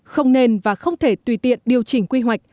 không nên và không thể tùy tiện điều chỉnh quy hoạch